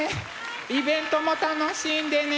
イベントも楽しんでね！